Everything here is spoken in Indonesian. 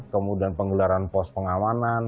kemudian penggelaran pos pengawanan